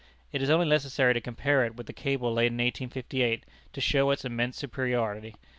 It is only necessary to compare it with the cable laid in 1858, to show its immense superiority.